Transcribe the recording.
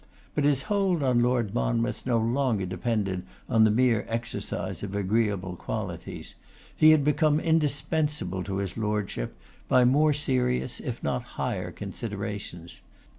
But his hold on Lord Monmouth no longer depended on the mere exercise of agreeable qualities, he had become indispensable to his lordship, by more serious if not higher considerations.